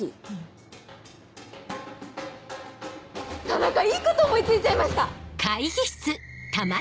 田中いいこと思い付いちゃいました！